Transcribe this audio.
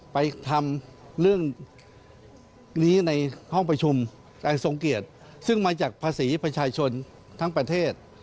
ไปทำเรื่องนี้ในห้องประชุมนายทรงเกียจซึ่งมาจากภาษีประชาชนทั้งประเทศ